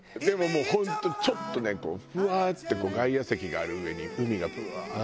もう本当ちょっとねふわって外野席がある上に海がブワーッて。